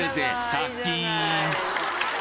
カッキーン！